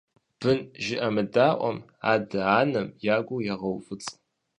Бын жыӀэмыдаӀуэм адэ-анэм я гур егъэуфӀыцӀ.